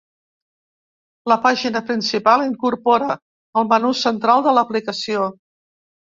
La pàgina principal incorpora el menú central de l’aplicació.